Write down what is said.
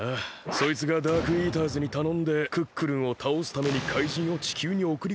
そいつがダークイーターズにたのんでクックルンをたおすために怪人を地球におくりこんでるわけだ。